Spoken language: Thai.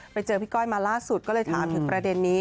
ไปเจอพี่ก้อยมาล่าสุดก็เลยถามถึงประเด็นนี้